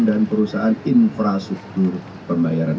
dan perusahaan infrastruktur pembayaran